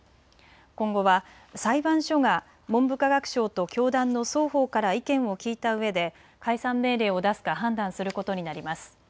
今後は裁判所が文部科学省と教団の双方から意見を聴いたうえで解散命令を出すか判断することになります。